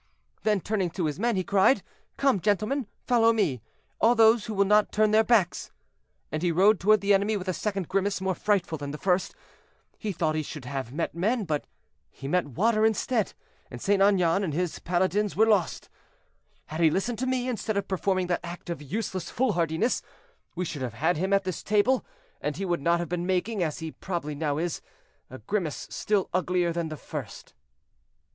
Then, turning to his men, he cried, 'Come, gentlemen, follow me—all those who will not turn their backs;' and he rode toward the enemy with a second grimace, more frightful than the first. He thought he should have met men, but he met water instead, and St. Aignan and his paladins were lost. Had he listened to me, instead of performing that act of useless foolhardiness, we should have had him at this table, and he would not have been making, as he probably now is, a grimace still uglier than the first."